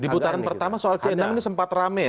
di putaran pertama soal c enam ini sempat rame ya